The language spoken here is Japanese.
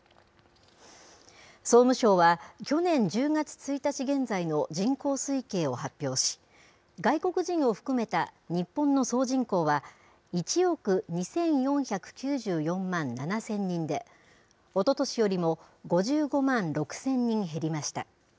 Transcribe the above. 総務省は、去年１０月１日現在の人口推計を発表し、外国人を含めた日本の総人口は、１億２４９４万７０００人で、おととしよりも５５万６０００人減りました。